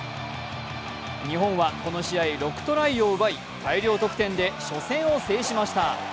日本はこの試合、６トライを奪い大量得点で初戦を制しました。